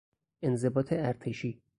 انضباط ارتشی